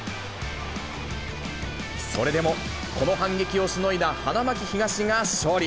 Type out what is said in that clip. それでもこの反撃をしのいだ花巻東が勝利。